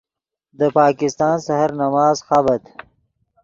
دے پاکستان سحر نماز خابت